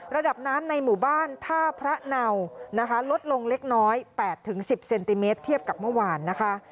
ระดับน้ำในหมู่บ้านท่าพระเนานะคะลดลงเล็กน้อย๘๑๐เซนติเมตรเทียบกับเมื่อวานนะคะ